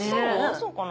そうかな？